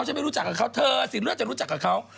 ฉันไม่รู้จักกับเขาเธอสีเลือดจะรู้จักกับเขา